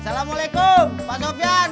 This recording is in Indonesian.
assalamualaikum pak sofyan